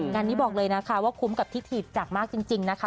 งานนี้บอกเลยนะคะว่าคุ้มกับที่ถีบจากมากจริงนะคะ